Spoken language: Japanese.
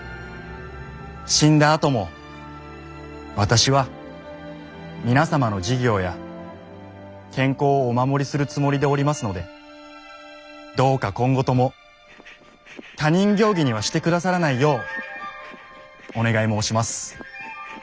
死んだあとも私は皆様の事業や健康をお守りするつもりでおりますのでどうか今後とも他人行儀にはしてくださらないようお願い申します。